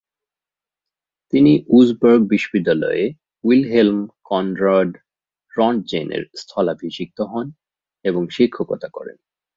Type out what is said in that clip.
তিনি উর্জবার্গ বিশ্ববিদ্যালয়ে উইলহেল্ম কনরাড রন্টজেনের স্থলাভিষিক্ত হন এবং শিক্ষকতা করেন।